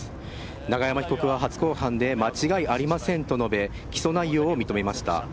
永山被告は初公判で間違いありませんと述べ、起訴内容を認めました。